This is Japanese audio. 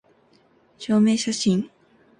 証明写真